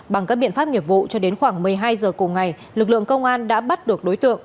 bằng các biện pháp nghiệp vụ cho đến khoảng một mươi hai giờ cùng ngày lực lượng công an đã bắt được đối tượng